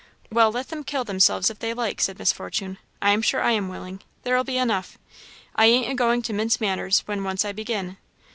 "Well, let them kill themselves if they like," said Miss Fortune; "I am sure I am willing; there'll be enough; I ain't agoing to mince matters when once I begin.